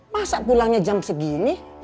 masa pulangnya jam segini